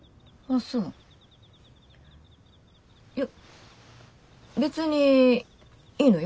いや別にいいのよ。